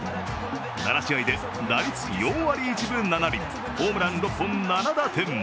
７試合で打率４割１分７厘ホームラン６本、７打点。